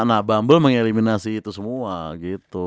nah bambel mengeliminasi itu semua gitu